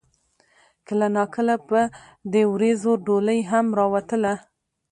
کله نا کله به د وريځو ډولۍ هم راوتله